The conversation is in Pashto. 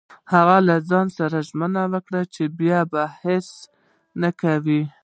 هغې له ځان سره ژمنه وکړه چې بیا به حرص نه کوي